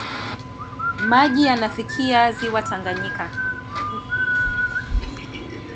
Maji yanafikia ziwa Tanganyika.